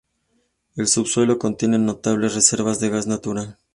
El subsuelo contiene notables reservas de gas natural.